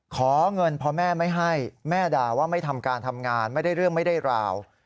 ขอเงินพอแม่ไม่ให้แม่ด่าว่าไม่ทำการทำงานไม่ได้เรื่องไม่ได้ราว